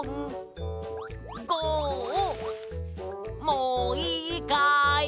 もういいかい？